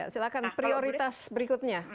silahkan prioritas berikutnya